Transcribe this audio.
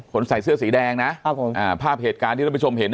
คนใส่เสื้อสีแดงนะภาพเหตุการณ์ที่เราไปชมเห็น